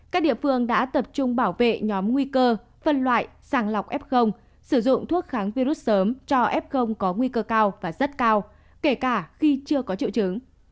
các địa phương đã tập trung bảo vệ nhóm nguy cơ phân loại sàng lọc f sử dụng thuốc kháng virus sớm cho f có nguy cơ cao và rất cao kể cả khi chưa có triệu chứng